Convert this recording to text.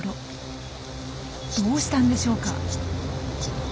どうしたんでしょうか？